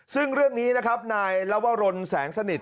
ซึ่งเรื่องนี้นะครับนายลวรนแสงสนิท